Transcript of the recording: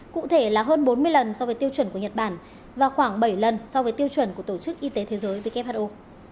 cụ thể là hơn bốn mươi lần so với tiêu chuẩn của nhật bản và khoảng bảy lần so với tiêu chuẩn của tổ chức y tế thế giới who